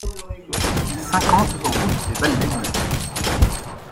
cinquante route des Balmettes